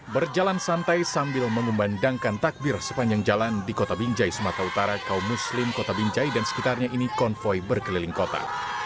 berjalan santai sambil mengumbandangkan takbir sepanjang jalan di kota binjai sumatera utara kaum muslim kota binjai dan sekitarnya ini konvoy berkeliling kota